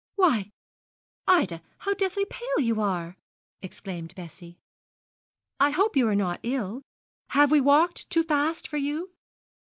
'Why, Ida, how deadly pale you are!' exclaimed Bessie. 'I hope you are not ill. Have we walked too fast for you?'